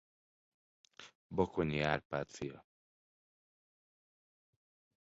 Bakonyi Árpád fia.